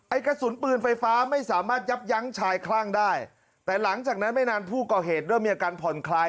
กระสุนปืนไฟฟ้าไม่สามารถยับยั้งชายคลั่งได้แต่หลังจากนั้นไม่นานผู้ก่อเหตุเริ่มมีอาการผ่อนคลาย